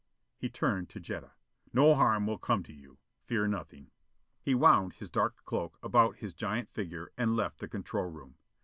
He turned to Jetta. "No harm will come to you. Fear nothing." He wound his dark cloak about his giant figure and left the control room.